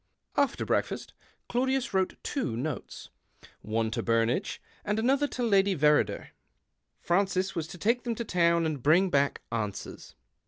After breakfast Claudius wrote two notes — one to Burnage and the other to Lady Verrider. Francis was to take them to town and l)ring back answers.